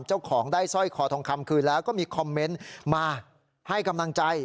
เจ้าของได้สร้อยคอทองคำคืนแล้วก็มีคอมเมนต์มาให้กำลังใจ